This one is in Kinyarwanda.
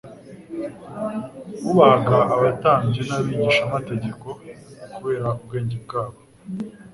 Bubahaga abatambyi n'abigishamategeko kubera ubwenge bwabo